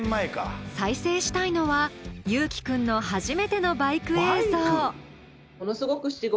再生したいのは侑樹くんの初めてのバイク映像。